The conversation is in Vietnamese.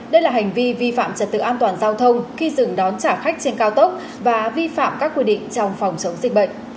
đây là hành vi vi phạm trật tự an toàn giao thông khi dừng đón trả khách trên cao tốc và vi phạm các quy định trong phòng chống dịch bệnh